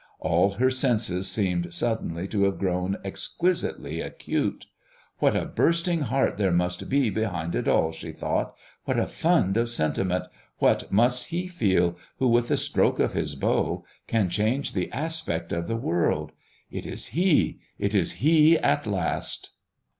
All her senses seemed suddenly to have grown exquisitely acute. "What a bursting heart there must be behind it all!" she thought. "What a fund of sentiment! What must he feel who, with a stroke of his bow, can change the aspect of the world! It is he! It is he at last!"